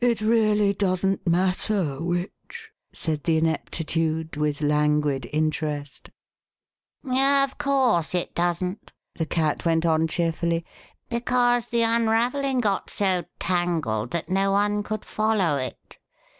" It really doesn't matter which," said the Inepti tude, with languid interest. 5 The Westminster Alice Of course it doesn't," the Cat went on cheer fully, because the unravelling got so tangled that no one could follow it.